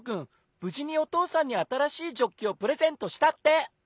ぶじにおとうさんにあたらしいジョッキをプレゼントしたって。